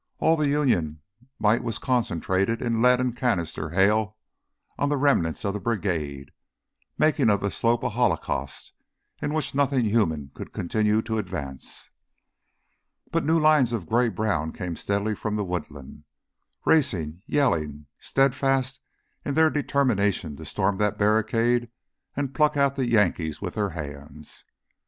All the Union might was concentrated in a lead and canister hail on the remnants of the brigade, making of the slope a holocaust in which nothing human could continue to advance. But new lines of gray brown came steadily from the woodland, racing, yelling, steadfast in their determination to storm that barricade and pluck out the Yankees with their hands.